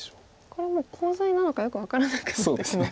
これもうコウ材なのかよく分からなくなってきますね。